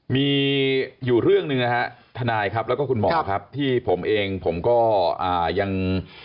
มีอยู่เรื่องหนึ่งนะฮะทนายครับแล้วก็คุณหมอครับที่ผมเองผมก็ยัง